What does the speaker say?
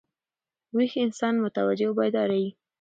ویښ انسان متوجه او بیداره يي.